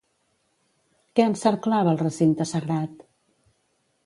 Què encerclava el recinte sagrat?